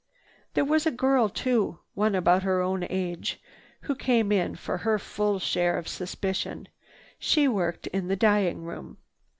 There was a girl too, one about her own age, who came in for her full share of suspicion. She worked in the dyeing room.